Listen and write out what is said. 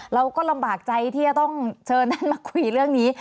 เราก็ลำบากใจที่จะต้องเชิญท่านมาคุยเรื่องนี้